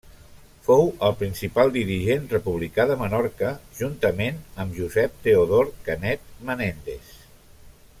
Fou el principal dirigent republicà de Menorca juntament amb Josep Teodor Canet Menéndez.